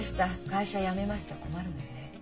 会社辞めます」じゃ困るのよね。